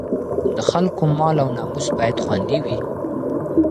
د خلکو مال او ناموس باید خوندي وي.